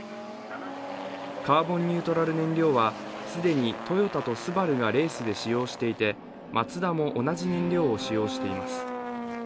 カーボンニュートラル燃料は既にトヨタとＳＵＢＡＲＵがレースで使用していて、マツダも同じ燃料を使用しています。